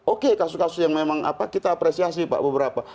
oke kasus kasus yang memang kita apresiasi pak beberapa